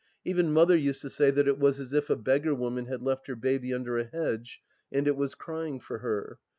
Even Mother used to say that it was as if a beggar woman had left her baby imder a hedge and it was crying for her.